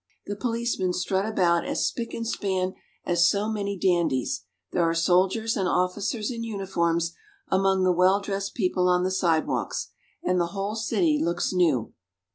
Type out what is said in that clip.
The policemen strut about as spick and span as so many dandies, there are soldiers and officers in uniforms among the well dressed people on the sidewalks, and the whole city looks new.